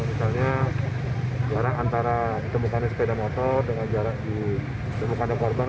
misalnya jarak antara tembukannya sepeda motor dengan jarak di tembukannya korban